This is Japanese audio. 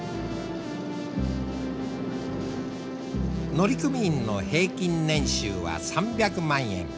乗組員の平均年収は３００万円。